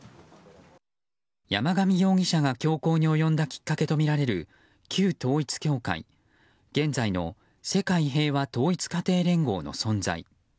山上容疑者が凶行に及んだきっかけとみられる旧統一教会、現在の世界平和統一家庭連合の存在。